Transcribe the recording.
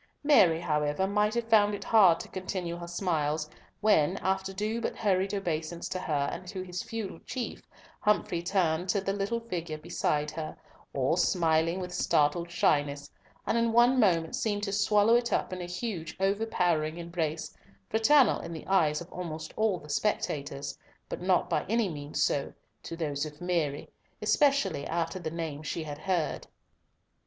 Mary, however, must have found it hard to continue her smiles when, after due but hurried obeisance to her and to his feudal chief, Humfrey turned to the little figure beside her, all smiling with startled shyness, and in one moment seemed to swallow it up in a huge overpowering embrace, fraternal in the eyes of almost all the spectators, but not by any means so to those of Mary, especially after the name she had heard.